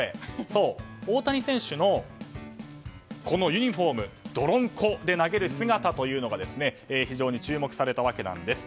そう、大谷選手のこのユニホーム泥んこで、投げる姿というのが非常に注目されたわけなんです。